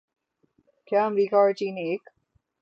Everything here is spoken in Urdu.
کیا امریکہ اور چین ایک